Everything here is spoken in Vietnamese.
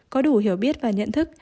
có đủ hiểu biết và nhận thức